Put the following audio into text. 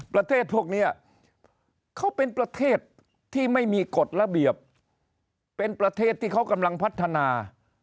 ประเทศพวกนี้เขาเป็นประเทศที่ไม่มีกฎระเบียบเป็นประเทศที่เขากำลังพัฒนา